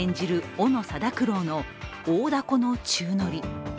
斧定九郎の大凧の宙乗り。